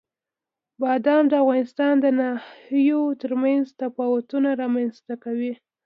بادام د افغانستان د ناحیو ترمنځ تفاوتونه رامنځته کوي.